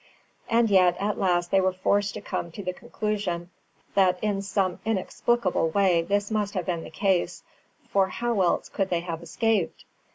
And yet at last they were forced to come to the conclusion that in some inexplicable way this must have been the case, for how else could they have escaped?